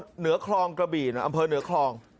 เหนือคลองกระบี่นะอำเภอเหนือคลอง